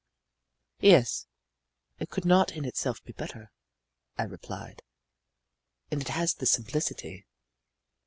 "Yes, it could not in itself be better," I replied. "And it has the simplicity."